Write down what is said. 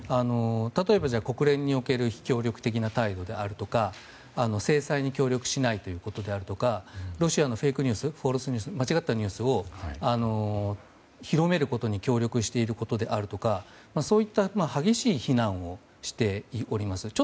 例えば国連における非協力的な態度であるとか制裁に協力しないということであるとかロシアのフェイクニュース間違ったニュースを広めることに協力していることであるとかそういった激しい非難をしております。